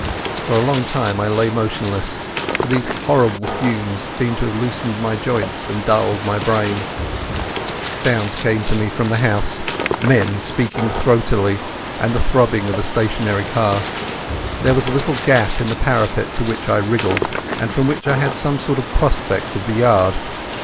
For a long time I lay motionless, for those horrible fumes seemed to have loosened my joints and dulled my brain. Sounds came to me from the house—men speaking throatily and the throbbing of a stationary car. There was a little gap in the parapet to which I wriggled, and from which I had some sort of prospect of the yard.